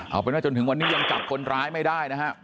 เอาเป็นว่าจนถึงวันนี้ยังจับคนร้ายไม่ได้นะฮะ